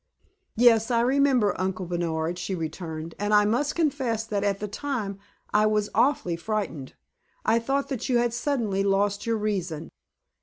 "Yes, I remember, Uncle Bernard," she returned, "and I must confess that at the time I was awfully frightened. I thought that you had suddenly lost your reason."